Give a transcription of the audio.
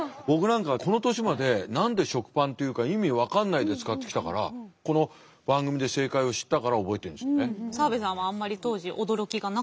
僕なんかこの年まで何で食パンっていうか意味分かんないで使ってきたからこの番組で正解を知ったから覚えてるんですよね。